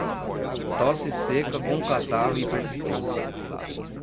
Tosse seca, com catarro, e persistente